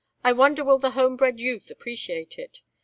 "I wonder will the home bred youth appreciate it?